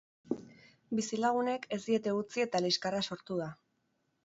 Bizilagunek ez diete utzi eta liskarra sortu da.